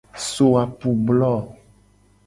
So apublo.